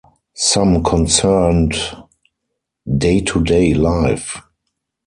Some concerned day-to-day life.